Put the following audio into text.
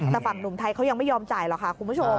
แต่ฝั่งหนุ่มไทยเขายังไม่ยอมจ่ายหรอกค่ะคุณผู้ชม